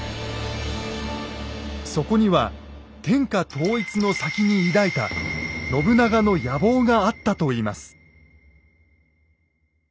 そこには天下統一の先に抱いた信長の野望があったといいます。